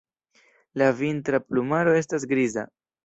La vintra plumaro estas griza.